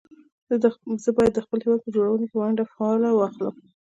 زه بايد د خپل هېواد په جوړونه کې فعاله ونډه واخلم